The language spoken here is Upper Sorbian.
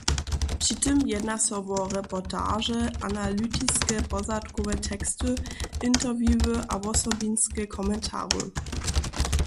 Při tym jedna so wo reportaže, analytiske pozadkowe teksty, interviewy a wosobinske komentary.